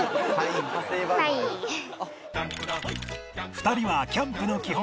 ２人はキャンプの基本